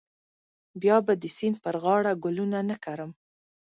بیا به د سیند پر غاړه ګلونه نه کرم.